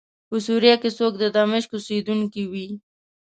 په سوریه کې څوک د دمشق اوسېدونکی وي.